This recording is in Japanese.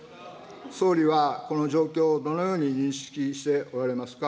総理はこの状況をどのように認識しておられますか。